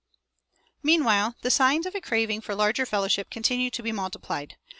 Meanwhile the signs of a craving for larger fellowship continue to be multiplied.